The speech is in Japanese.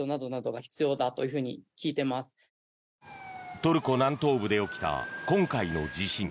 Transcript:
トルコ南東部で起きた今回の地震。